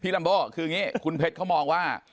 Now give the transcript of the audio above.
ลัมโบ้คืออย่างนี้คุณเพชรเขามองว่า